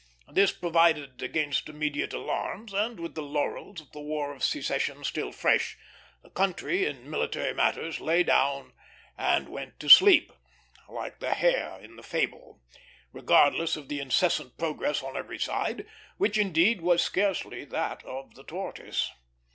Thus provided against immediate alarms, and with the laurels of the War of Secession still fresh, the country in military matters lay down and went to sleep, like the hare in the fable, regardless of the incessant progress on every side, which, indeed, was scarcely that of the tortoise.